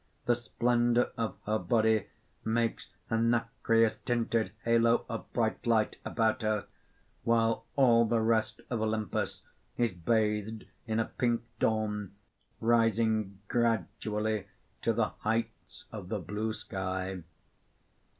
The splendour of her body makes a nacreous tinted halo of bright light about her; while all the rest of Olympus is bathed in a pink dawn, rising gradually to the heights of the blue sky.